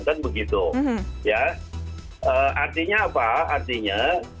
artinya apa artinya